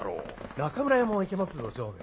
中村屋もイケますぞ常務。